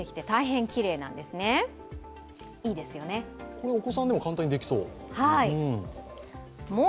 これお子さんでも簡単にできそう。